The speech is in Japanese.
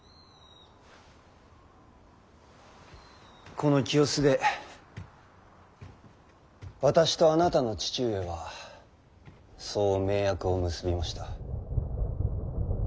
この清須で私とあなたの父上はそう盟約を結びました。